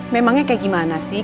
memangnya kayak gimana sih